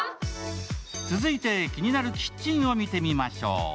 続いて気になるキッチンを見てみましょう。